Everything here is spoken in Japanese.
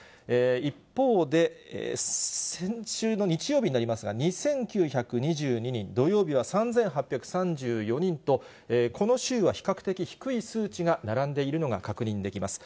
一方で、先週の日曜日になりますが、２９２２人、土曜日は３８３４人と、この週は比較的低い数値が並んでいるのが確認できます。